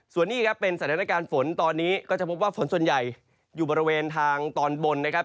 ส่วนนี้ครับเป็นสถานการณ์ฝนตอนนี้ก็จะพบว่าฝนส่วนใหญ่อยู่บริเวณทางตอนบนนะครับ